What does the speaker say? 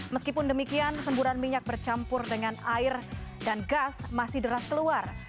meskipun demikian semburan minyak bercampur dengan air dan gas masih deras keluar